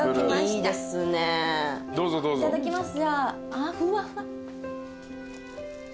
いただきます。